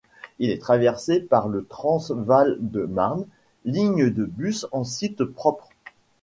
Il est traversé par le Trans-Val-de-Marne, ligne de bus en site propre.